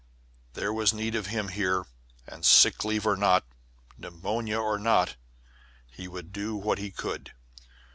There was need of him here, and, sick leave or not, pneumonia or not, he would do what he could.